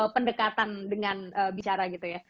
pendekatan dengan bicara gitu ya